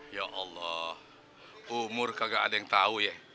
ya allah umur kagak ada yang tahu ya